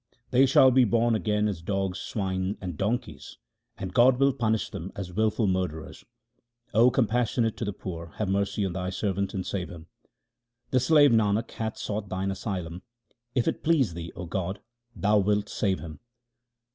They shall be born again as dogs, swine, and donkeys, and God will punish them as wilful murderers. O compassionate to the poor, have mercy on Thy servant and save him. The slave Nanak hath sought Thine asylum ; if it please Thee, O God, Thou wilt save him.